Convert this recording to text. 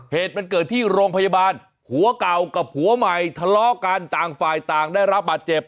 เหตุมันเกิดที่โรงพยาบาลผัวเก่ากับผัวใหม่ทะเลาะกันต่างฝ่ายต่างได้รับบาดเจ็บ